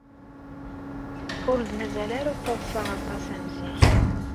Ur d-mazal ara ttaḍṣaɣ aṭas am zik.